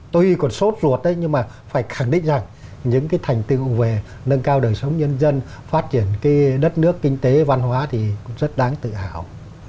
tuy còn sốt ruột nhưng mà phải khẳng định rằng những cái thành tựu về nâng cao đời sống nhân dân phát triển cái đất nước kinh tế văn hóa thì cũng rất đáng tự hào